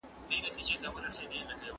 قرآن کریم زموږ لپاره د ژوند لارښود کتاب دی.